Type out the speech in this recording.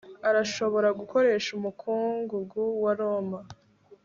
Arashobora gukoresha umukungugu wa Roma